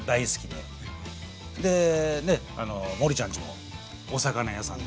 でねっあの森ちゃんちもお魚屋さんで。